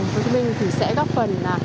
hồ chí minh thì sẽ góp phần